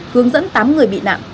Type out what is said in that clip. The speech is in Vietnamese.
hướng dẫn tám người bị nạn